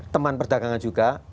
teman perdagangan juga